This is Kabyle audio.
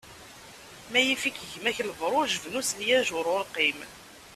Ma yif-ik gma-k lebṛuj, bnu s lyajuṛ urqim.